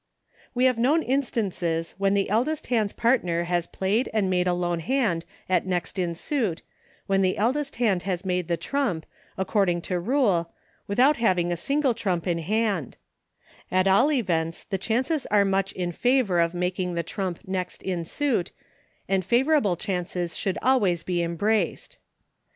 We have known instances when the eldest hand's partner has played and made a lone hand at next; in suit, when the eldest hand has made the trump, according to 116 EUCHRE. rule, without having a single trump in hand At all events the chances are much in favor of making the trump next in suit, and favor ble chances should always be embraced.